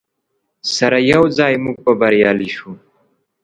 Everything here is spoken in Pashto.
سره یوځای موږ به بریالي شو.